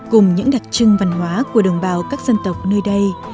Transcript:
cùng những đặc trưng văn hóa của đồng bào các dân tộc nơi đây